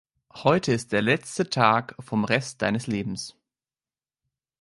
Heute ist der letzte Tag vom Rest deines Lebens.